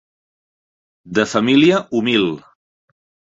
De família humil.